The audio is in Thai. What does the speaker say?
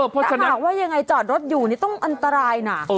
ประหากว่ายังไงจอดรถอยู่นี่ต้องอันตรายน่ะ